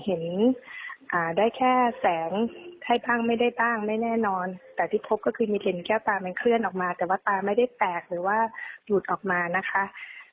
เห็นได้แค่แสงให้บ้างไม่ได้ตั้งไม่แน่นอนแต่ที่พบก็คือมีเห็นแก้วตามันเคลื่อนออกมาแต่ว่าตาไม่ได้แตกหรือว่าหยุดออกมานะคะ